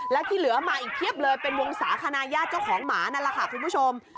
แล้วที่เหลือมาอีกเพียบเลยเป็นวงศาคณะญาติเจ้าของหมานั่นแหละค่ะคุณผู้ชม